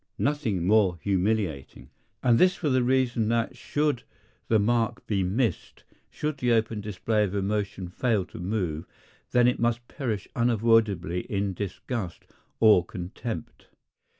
Nothing more humiliating! And this for the reason that should the mark be missed, should the open display of emotion fail to move, then it must perish unavoidably in disgust or contempt.